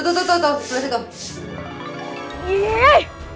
tuh tuh tuh